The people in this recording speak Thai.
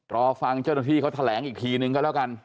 รอฟังเจ้าหน้าที่เขาแถลงอีกทีนึงก็แล้วกัน